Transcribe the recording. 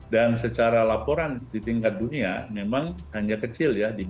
dan secara laporan di tingkat dunia memang hanya kecil ya